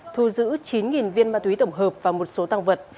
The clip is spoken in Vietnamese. thu giữ chín viên ma túy tổng hợp và một số tăng vật